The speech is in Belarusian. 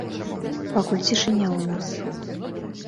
Пакуль цішыня ў нас.